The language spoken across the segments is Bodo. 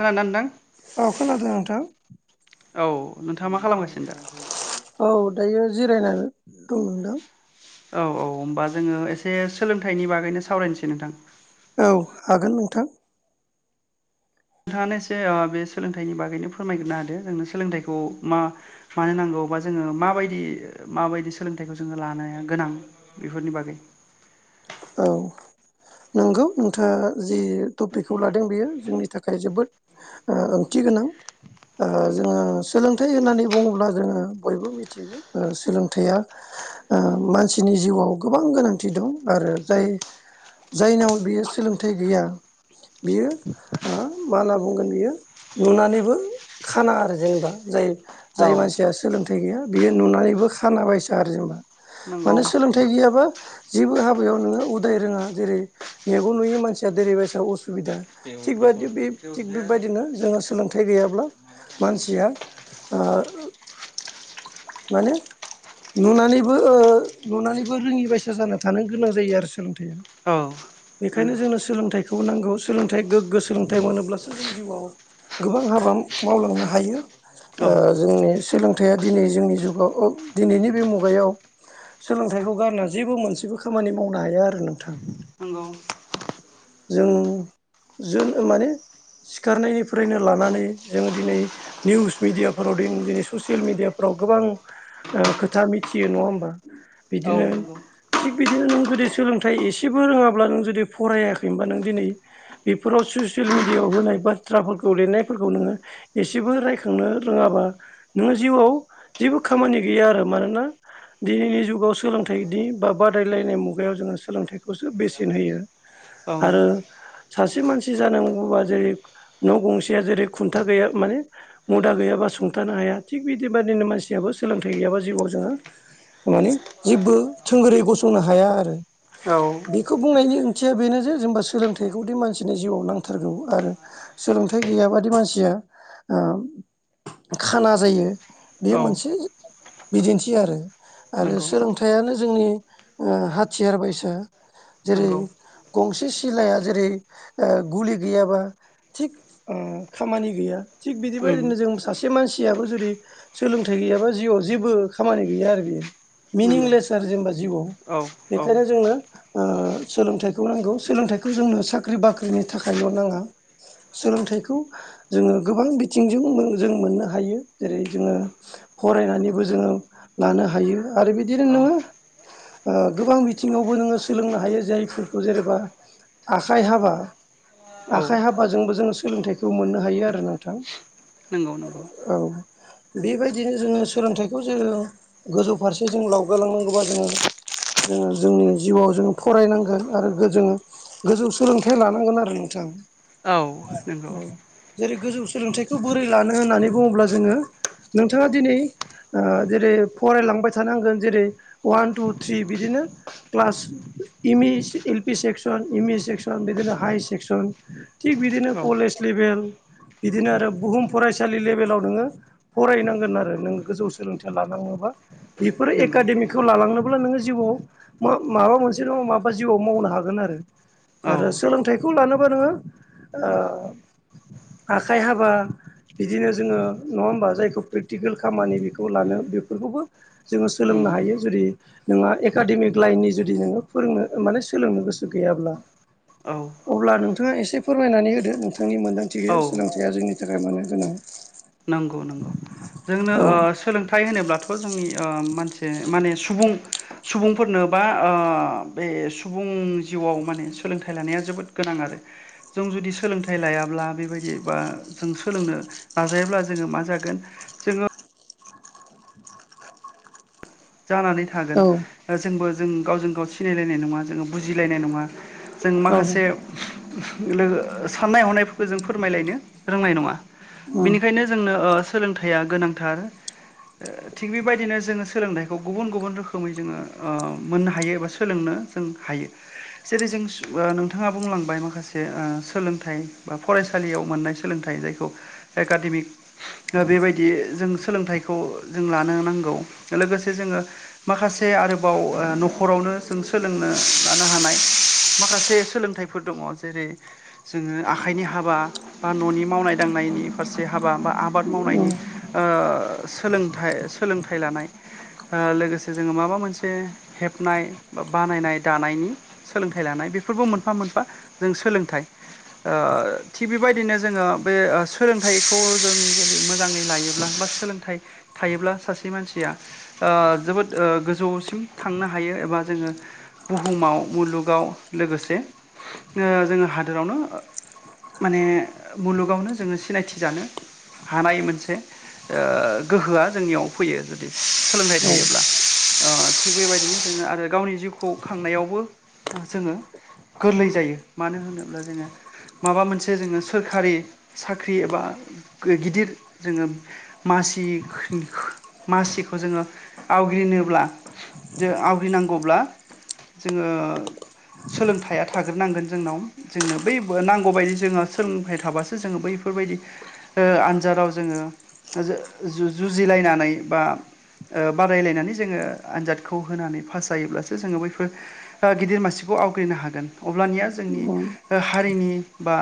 खोनादोंना नोंथां? औ खोनादों नोंथां। औ नोंथाङा मा खालामगासिनो दा? औ दायो जिरायनानै दं नोंथां। औ औ होमबा जोङो एसे सोलोंथाइनि बागैनो सावरायनोसै नोंथां। औ हागोन नोंथां। नोंथाङा एसे बे सोलोंथाइनि बागैनो फोरमायग्रोनो हादों जोंनो सोलोंथाइखौ मा मानो नांगौबा जोङो माबायदि माबायदि सोलोंथाइखौ जोङो लानाया गोनां। बेफोरनि बागै। औ। नंगौ नोंथाङा जि टपिकखौ लादों बेयो जोंनि थाखाय जोबोद ओंथि गोनां। जोङो सोलोंथाइ होननानै बुङोब्ला जोङो बयबो मिथियो सोलोंथाइया मानसिनि जिउआव गोबां गोनांथि दं, आरो जाय जायनाव बियो सोलोंथाइ गैया बियो मा होनना बुंगोन बियो नुनानैबो खाना आरो जेनेबा जाय औ जाय मानसिया सोलोंथाइ गैया बियो नुनानैबो खानाबायसा आरो जेनेबा, नंगौ। मानो सोलों थाइ गैयाबा जेबो हाबायाव नोङो उदाय रोङा जेरै मेगन नुयि मानसिया जेरैबायसा असुबिदा थिग बदि बे थिग बेबायदिनो जोंहा सोलोंथाइ गैयाब्ला मानसिया आ माने नुनानैबो नुनानैबो रोङि बायसा जाना थानो गोनां जायो आरो, सोलोंथाइया औ बेखायनो नंगौ जोंनो सोलोंथाइखौबो नांगौ सोलोंथाइ गोग्गो सोलोंथाइ मोनोब्लासो जों जिउआव गोबां हाबा मावलांनो हायो औ जोंनि सोलोंथाइया दिनै जोंनि जुगाव औ दिनैनि बे मुगायाव सोलोंथाइखौ गारना जेबो मोनसेबो खामानि मावनो हाया आरो नोंथां। नंगौ। जों ज माने सिखारनायनिफ्रायनो लानानै जों दिनै निउस मिडियाफोराव द दिनै ससियेल मिडियाफ्राव गोबां खोथा मिथियो नङा होमबा औ बिदिनो नंगौ थिग बिदिनो नों जुदि सोलोंथाइ एसेबो रोङाब्ला नों जुदि फरायाखैनोबा नों दिनै बेफोराव ससियेल मिेडियाआव होनाय बाथ्राफोरखौ लिरनायफोरखौ नोङो एसेबो रायखांनो रोङाबा नोङो जिउआव जेबो खामानि गैया आरो मानोना दिनैनि जुगाव सोलोंथाइनि बा बादायलायनाय मुगायाव जोङो सोलोंथाइखौसो बेसेन होयो औ आरो सासे मानसि जानांगौबा जेरै न' गंसेया जेरै खुन्था गैया माने मुदा गैयाबा सुंथानो हाया, थिग बिदिबादिनो मानसि जाब सोलोंथाइ गैयाबा जिउआव जोङो माने जेबो थोंगोरै गसंनो हाया आरो। औ। बेखौ बुंनायनि ओंथिया बेनो जे जेनबा सोलोंथाइखौदि मानसिनि जिउआव नांथारगौ । आरो सोलोंथाइ गैयाबादि मानसिया ओ [inaudible] खाना जायो बे औ मोनसे बिदिन्थि आरो। आरो नंगौ सोलोंथाइानो जोंनि ओ हाथियार बायसा नंगौ जेरै- गंसे सिलाया, जेरै- ओ गुलि गैयाबा थिग ओम खामानि गैया, थिग बिदि उम बादिनो जों सासे मानसियाबो जुदि सोलों थाइ गैयाबा जिउआव जेबो खामानि गैया आरो बियो, नंगौ मिनिंलेस आरो जेनेबा जिउआव औ औ बेखायनो जोंनो, ओ सोलोंथाइखौ नांगौ। सोलोंथाइखौ जोंनो साख्रि-बाख्रिनि थाखायल' नाङा। सोलोंथाइखौ जोङो गोबां बिथिंजों जों मोननो हायो। जेरै- जोङो फरायनानैबो जोङो लानो हायो ।आरो बिदिनो औ नोङो, ओ गोबां बिथिङावबो नोङो सोलोंनो हायो। जायफोरखौ जेनेबा, आखाइ हाबा औ आखाइ हाबाजोंबो जोङो सोलोंथाइखौ मोननो हायो आरो नोंथां नंगौ नंगौ औ बेबायदिनो जोङो सोलोंथाइखौ जोङो, गोजौ फारसे जों लावगालांनांगौबा जोङो, जोङो जोंनि जिउआव जोङो फरायनांगोन । आरो जोङो गोजौ सोलोंथाइ लानांगोन आरो नोंथाङ। औ नंगौ। जेरै- गोजौ सोलोंथाइखौ बोरै लानो होननानै बुङोब्ला जोङो? नोंथाङा दिनै, ओ जेरै- फरायलांबाय थानांगोन जेरै- वान, टु, थ्रि बिदिनो class M E, L P section, M E section, बिदिनो हाइ सेक्सन, थिग बिदिनो औ कलेज लेभेल बिदिनो आरो बुहुम फरायसालि लेभेलाव नोङो। फरायनांगोन आरो नों गोजौ सोलोंथाइ लानांगौबा बेफोर नंगौ एकाडेमिक बेखौ लालांनोब्ला नोङो जिउआव मा-माबा मोनसे नङा, माबा जिउआव मावनो हागोन आरो। औ आरो सोलोंथाइखौ लानोबा नोङो, ओ आखाइ हाबा बिदिनो जोङो, नङा होमबा? जायखौ प्रेक्टिकेल खामानि बेखौ लानो बेफोरखौबो जोङो उम सोलोंनो हायो ।जुदि, नोंहा एकाडेमिक लाइननि जुदि नोङो फोरोंनो, माने सोलोंनो गोसो गैयाब्ला। औ अब्ला, नोंथाङा एसे फोरमायनानै होदो । नोंथांनि मोन्दांथियै औ सोलोंथाइया जोंनि थाखाय मानो गोनां। नंगौ-नंगौ । जोंनो औ ओ सोलोंथाइ होनोब्लाथ' जोंनि ओ, मानसे माने सुबुं, सुबुंफोरनो बा, ओ बे सुबुं जिउआव माने सोलोंथाइ लानाया जोबोद गोनां आरो। जों जुदि, सोलोंथाइ लायाब्ला बेबायदि बा, जों सोलोंनो नाजायाब्ला जोङो मा जागोन? जोङो जानानै थागोन औ जोंबो जों गावजों - गाव सिनायलायनाय नङा, जोङो बुजिलायनाय नङा, जों उम माखासे [unintelligible] लोगो साननाय -हनायफोरखौ जों फोरमायलायनो रोंनाय नङा। बेनिखायनो, जोंनो ओ सोलोंथाइया गोनांथार, ओ थिग बिबायदिनो जोङो सोलोंथाइ गुबुन गुबुन रोखोमै जोङो मोननो हायो एबा सोलोंनो जों हायो जेरै जों [unintelligible] नोंथाङा बुंलांबाय माखासे सोलोंथाइ बा फरायसालियाव मोननाय सोलोंथाइ जायखौ एकाडेमिक बेबायदि जों सोलोंथाइखौ जों लानो नांगौ लोगोसे जोङो माखासे आरोबाव ओ न'खरावनो जों सोलोंनो लानो हानाय माखासे सोलोंथाइ फोर दङ जेरै- जोङो आखाइनि हाबा बा, न'नि मावनाय - दांनायनि फारसे हाबा बा, आ- आबाद उम मावनायनि ओ सोलोंथाइ -सोलोंथाइ लानाय, ओ लोगोसे जोङो माबा मोनसे हेबनाय बा, बानायनाय, दानायनि सोलोंथाइ लानाय बेफोरबो मोनफा - मोनफा जों सोलोंथाइ। ओ थिग बेबायदिनो जोङो बे ओ सोलोंथाइखौ जों जुदि मोजाङै लायोब्ला बा, सोलोंथाइ थायोब्ला सासे मानसिया, ओ जोबोद, ओ गोजौसिम थांनो हायो एबा जोङो, बुहुमाव, मुलुगाव लोगोसे नो जोङो ओ हादोरावनो माने मुलुगावनो जोङो सिनायथि जानो हानाय मोनसे ओ गोहोआ जोंनियाव फैयो। [unintelligible] औ आरो गावनि जिउखौ खांनायावबो जोङो गोरलै जायो मानो होनोब्ला जोङो माबा मोनसे जोङो सोरखारि साख ख्रि बा गिदिर जोङो मासि [unintelligible] मासिखौ जोङो आवग्लिनोब्ला जो आवग्लिनांगौब्ला जोङो सोलोंथाइया थाग्रोनांगोन जोंनाव जोंनो बै नांगौबायदि जोङो सोलोंथाइ थाबासो जोङो बैफोरबायदि ओ आनजादाव जोङो जो जु जुजिलायनानै बा ओ बादायलायनानै जोङो आनजादखौ होनानै पास जायोब्लासो जोङो बैफोर आ गिदिर मासिखौ आवग्रिनो हागोन अब्लानिया जोंनि हारिनि बा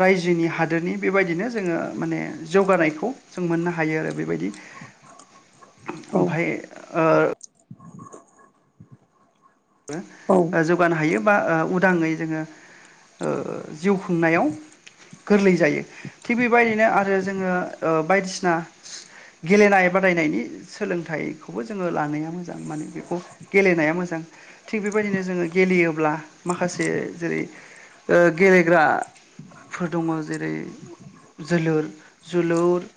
रायजोनि हादोरनि बेबायदिनो जोङो माने जौगानायखौ जों मोननो हायो आरो बेबायदि उम ओमफाय ओ [unintelligible] औ जौगानो हायो बा ओ उदाङै जोङो जिउ खुंनायाव गोरलै जायो थिग बिबायदिनो आरो जोङो ओ बायदिसिना गेलेनाय बादायनायनि सोलोंथाइखौबो जोङो लानाया मोजां माने बेखौ गेलेनाया मोजां थिग बेबायदिनो जोङो गेलेयोब्ला माखासे जेरै ओ गेलेग्रा फोर दङ जेरै जोलोर जुलुर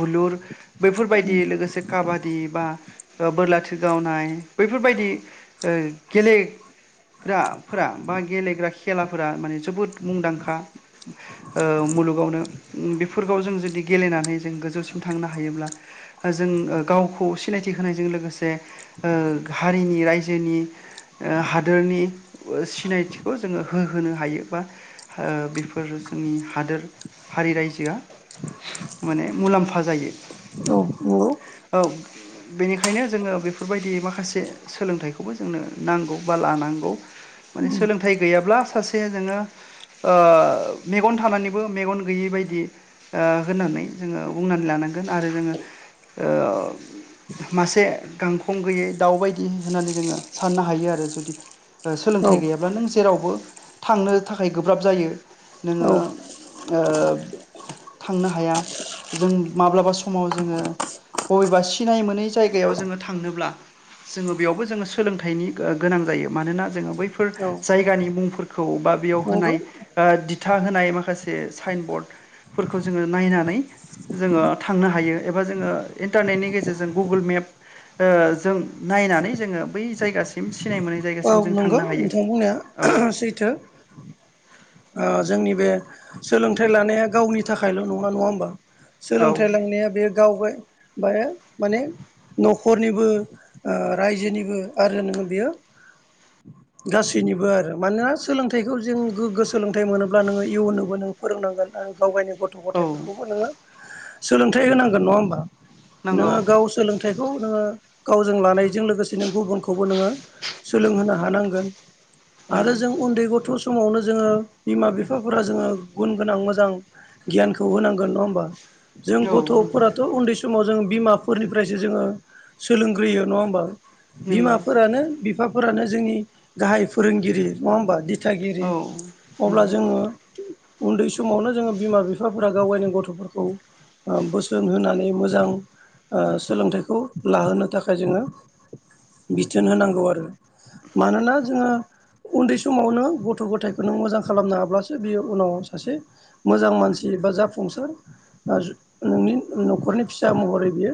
बुलुर बैफोरबायदि लोगोसे काबादि बा बोरलाथि गावनाय बैफोरबायदि ओ गेले ग्राफोरा बा गेलेग्रा खेलाफोरा माने जोबोद मुंदांखा ओ मुलुगावनो बेफोरखौ जों जुदि गेलेनानै जों गोजौसिम थांनो हायोब्ला जों गावखौ सिनायथि होनायजों लोगोसे हारिनि रायजो जेनि ओ हादोरनि सिनायथिखौ जोङो होहोनो हायो बा बेफोर जोंनि हादोर हारि रायजोआ माने मुलाम्फा जायो औ नोंगौ औ बिनिखायनो जोङो बेफोरबायदि माखासे सोलोंथाइखौ खौबो जोंनो नांगौ बा लानांगौ माने सोलोंथाइ गैयाब्ला सासे जोङो ओ मेगन थानानैबो मेगन गैयै बायदि ओ होननानै जोङो बुंनानै लानांगोन आरो जोङो ओ मासे गांखं गैयै दाउबायायदि होननानै जोङो साननो हायो आरो जुदि सोलोंथाइ गैयाब्ला नों जेरावबो थांनो थाखाय गोब्राब जायो नोङो ओ थांनो हाया जों माब्लाबा समाव जोङो बबेबा सिनाय मोनै जायगायाव जोङो थांनोब्ला जोङो बेयावबो जोङो सोलोंथाइनि गोनां जायो मानोना जोङो बैफोर औ जायगानि मुं फोर खौ बा बेयाव नंगौ होनाय आ दिथा होनाय माखासे साइन बर्ड फोरखौ जोङो नायनानै जोङो थांनो हायो एबा जोङो इन्टारनेटनि गेजेरजों गुगोल मेप ओ जों नायनानै जोङो बै जायगासि हिम सिनाय मोनै औ जायगासिम जों नंगौ थांनो हायो नोंथां बुंनाया औ [unintelligible] सैथो आ जोंनि बे सोलोंथाइ लानाया गावनि थाखायल' नङा नङा होमबा औ सोलोंथाइ लांनाया बेयो गावगाय बे माने न'खरनिबो ओ रायजोनिबो आरो नोङो बियो [inaudible] गासैनिबो आरो मानोना सोलोंथाइखौ जों गोग्गो सोलोंथाइ मोनोब्ला नोङो इयुनावबो नों फोरोंनांगोन आरो गाव गायनो गथ' औ गथफोरखौबो नोङो सोलोंथाय होनांगोन नङा हबा नोङ नंगौ गाव सोलोंथाइखौ नोङो गावजों लानायजों लोगोसेनो गुबुनखौबो नोङो सोलोंहोनो हानांगोन आरो नंगौ जों उन्दै गथ' समावनो जोङो बिमा बिफाफोरा जोङो गुन गोनां मोजां गियानखौ होनांगोन नङा होमबा? जों औ नंगौ गथ'फोराथ' उन्दै स समाव जों बिमाफोरनिफ्रायसो जोङो सोलोंग्रोयो नङा होमबा नंगौ बिमाफोरानो बिफाफोरानो जोंनि गाहाय फोरोंगिरि नङा होमबा? दि दिथागिरि औ अब्ला नंगौ जोङो उन्दै समावनो जोङो बिमा बिफाफोरा गावायनो गथ'फोरखौ ओ बोसोन होनानै मोजां ओ सोलोंथाइखौ लाहोनो थाखाय जोङो बिथोन होनांगौ आरो मानोना जोङो उन्दै समावनो नों गथ' गथाइखौ नों मोजां खालामनो हाब्लासो बेयो उनाव सासे मोजां मानसि बा जाफुंसार बा नोंनि न'खरनि फिसा महरै बियो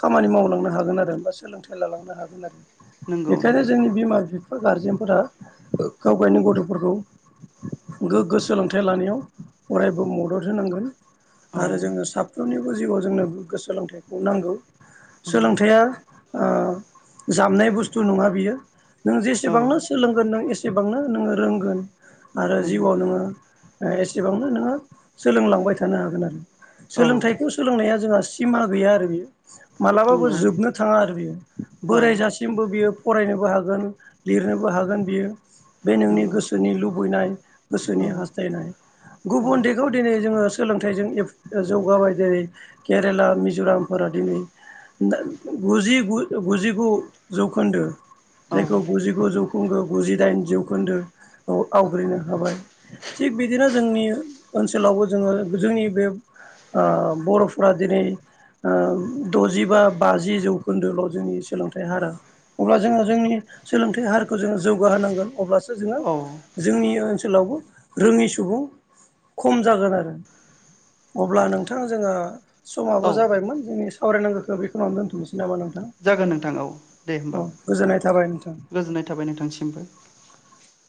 खामानि मावलांनो हागोन आरो। बा सोलोंथाइ लालांनो हागोन आरो। नंगौ बेखायनो नंगौ जोंनि बिमा बिफा गारजेनफोरा गाव गायनो गथ'फोरखौ गोग्गो सोलोंथाइ लानायाव अरायबो मदद होनांगोन। औ आरो जोंनो साफ्रोमनिबो जिउआव जोंनो गोग्गो सोलोंथाइखौ नांगौ। नंगौ सोलोंथाइया ओ जामनाय बुस्थु नङा बेयो नों औ जेसेबांनो सोलोंगोन नों एसेबांनो नोङो रोंगोन। आरो नंगौ जिउआव नोङो एसेबांनो नोङो सोलोंलांबाय थानो हागोन आरो। औ सोलोंथाइखौ सोलोंनाया जोंहा सिमा गैया आरो बेयो। मालाबाबो नंगौ जोबनो थाङा आरो बियो। औ बोरायजासिमबो बियो फरायनोबो हागोन लिरनोबो हागोन बियो बे नोंनि नंगौ गोसोनि लुबैनाय गोसोनि औ हास्थायनाय गुबुन औ देगआव दिनै जोङो सोलोंथाइजों जौगाबाय जेरै केरेला मिज'रामफोरा दिनै गुजिु गुजिगु जौखोन्दो औ जायखौ गुजिगु जौखोन्दो गुजिदाइन जौखोन्दो आवग्रिनो हाबाय थिग बिदिनो जोंनि ओनसोलावबो जोङो जोंनि बे ओ बर'फोरा दिनै ओ द'जि बा बाजि जौखोन्दोल' जोंनि सोलोंथाइ हारा। अब्ला जोङो जोंनि सोलोंथाइ हारखौ जोङो जौगाहोनांगोन अब्लासो जोङो औ जोंनि ओनसोलावबो रोङि सुबुं खम जागोन आरो। अब्ला नोंथां जोङो समाबो औ जाबायमोन जोंनि सावरायनांगौखौ बेखौनो दोन्थ'नोसै नामा नोंथां जागोन नोंथां औ दे होमबा। औ गोजोननाय थाबाय नोंथां। गोजोननाय थाबाय नोंथांसिमबो।